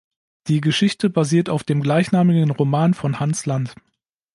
Die Geschichte basiert auf dem gleichnamigen Roman von Hans Land.